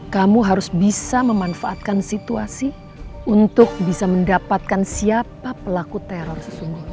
kamu harus bisa memanfaatkan situasi untuk bisa mendapatkan siapa pelaku teror sesungguhnya